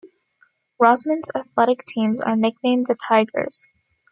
Rosman's athletic teams are nicknamed the Tigers.